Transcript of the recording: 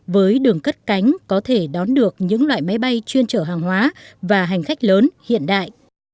với đường cất cánh có thể đón được những loại máy bay chuyên trở hàng hóa và hành khách lớn hiện đại